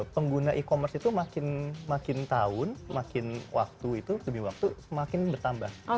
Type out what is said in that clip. pengguna e commerce itu makin tahun makin waktu itu demi waktu semakin bertambah